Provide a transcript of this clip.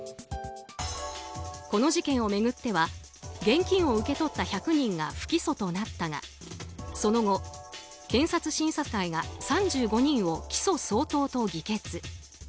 この事件を巡っては現金を受け取った１００人が不起訴となったがその後、検察審査会が３５人を起訴相当と議決。